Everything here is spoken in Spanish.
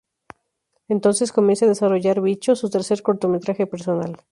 Entonces comienza a desarrollar "Bicho", su tercer cortometraje personal.